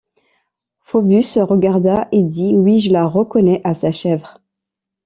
Phœbus regarda, et dit: — Oui, je la reconnais à sa chèvre.